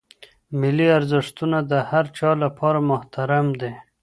ملي ارزښتونه د هر چا لپاره محترم دي.